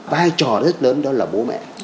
vai trò rất lớn đó là bố mẹ